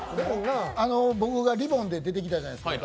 僕がリボンで出てきたじゃないですか。